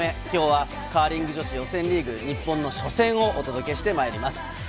今日はカーリング女子予選リーグ、日本の初戦をお届けしてまいります。